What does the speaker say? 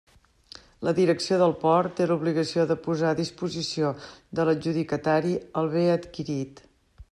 La Direcció del port té l'obligació de posar a disposició de l'adjudicatari el bé adquirit.